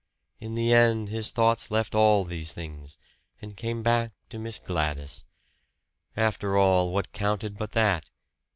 In the end his thoughts left all these things, and came back to Miss Gladys. After all, what counted but that?